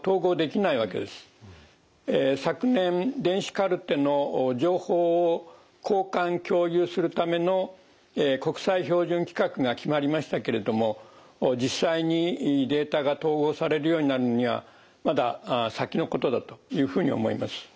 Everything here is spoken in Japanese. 昨年電子カルテの情報を交換共有するための国際標準規格が決まりましたけれども実際にデータが統合されるようになるにはまだ先のことだというふうに思います。